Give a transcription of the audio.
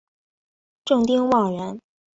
郑丁旺人。